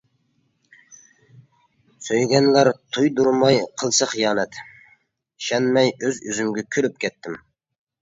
سۆيگەنلەر تۇيدۇرماي قىلسا خىيانەت، ئىشەنمەي ئۆز ئۈزۈمگە كۈلۈپ كەتتىم.